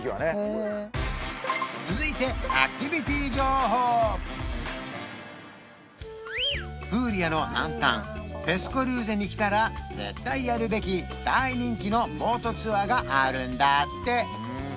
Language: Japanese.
続いてアクティビティ情報プーリアの南端ペスコルーゼに来たら絶対やるべき大人気のボートツアーがあるんだって